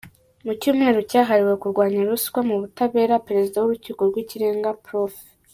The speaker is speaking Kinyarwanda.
Mu cyumweru cyahariwe kurwanya ruswa mu butabera, Perezida w’urukiko rw’ikirenga Prof.